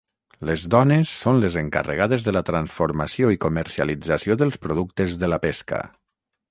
Les dones són les encarregades de la transformació i comercialització dels productes de la pesca.